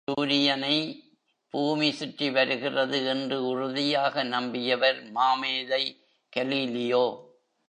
சூரியனை பூமி சுற்றி வருகிறது என்று உறுதியாக நம்பியவர் மாமேதை கலீலியோ.